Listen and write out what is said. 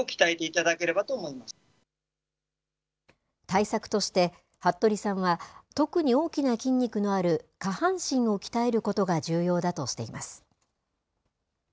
対策として、服部さんは、特に大きな筋肉のある下半身を鍛えることが重要だとしています。